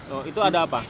oh itu ada apa